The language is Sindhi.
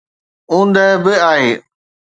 اوندهه به آهي.